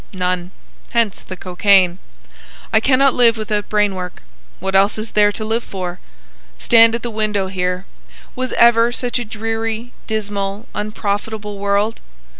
"None. Hence the cocaine. I cannot live without brain work. What else is there to live for? Stand at the window here. Was ever such a dreary, dismal, unprofitable world?